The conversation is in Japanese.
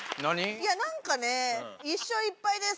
いやなんかね「１勝１敗です」